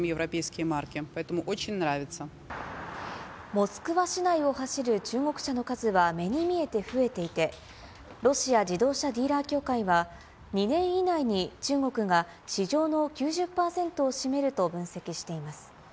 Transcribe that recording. モスクワ市内を走る中国車の数は目に見えて増えていて、ロシア自動車ディーラー協会は、２年以内に中国が市場の９０％を占めると分析しています。